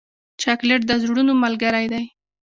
چاکلېټ د زړونو ملګری دی.